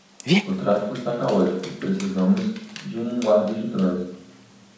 O tráfego está caótico, precisamos de um guarda de trânsito